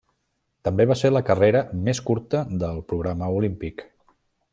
També va ser la carrera més curta del programa olímpic.